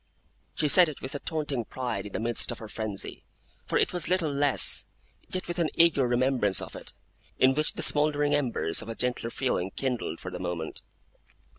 She said it with a taunting pride in the midst of her frenzy for it was little less yet with an eager remembrance of it, in which the smouldering embers of a gentler feeling kindled for the moment.